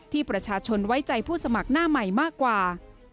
ที่ประชาชนไว้ใจผู้สมัครหน้าใหม่มากกว่า